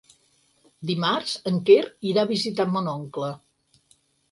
Dimarts en Quer irà a visitar mon oncle.